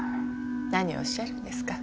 何をおっしゃるんですか。